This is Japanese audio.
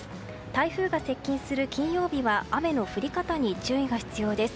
台風が接近する金曜日は雨の降り方に注意が必要です。